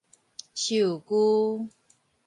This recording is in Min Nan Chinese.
壽具